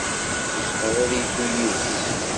Yezmer ad yeddu yid-s.